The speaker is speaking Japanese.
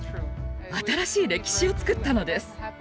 新しい歴史を作ったのです。